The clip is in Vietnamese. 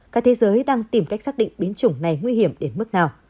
cả thế giới đang tìm cách xác định biến chủng này nguy hiểm đến mức nào